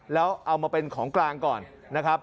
แล้วเอามาเป็นของกลางก่อนนะครับ